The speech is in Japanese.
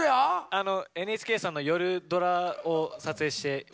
あのＮＨＫさんの夜ドラを撮影しておりまして。